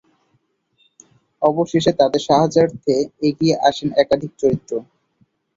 অবশেষে তাদের সাহায্যার্থে এগিয়ে আসেন একাধিক চরিত্র।